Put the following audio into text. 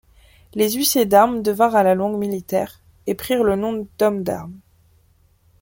Les huissiers d'armes devinrent à la longue, militaires et prirent le nom d'hommes d'armes.